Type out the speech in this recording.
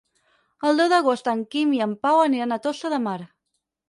El deu d'agost en Quim i en Pau aniran a Tossa de Mar.